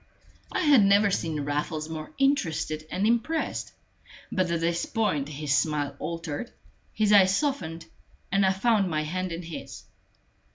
I had never seen Raffles more interested and impressed; but at this point his smile altered, his eyes softened, and I found my hand in his.